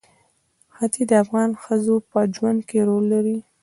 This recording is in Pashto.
ښتې د افغان ښځو په ژوند کې رول لري.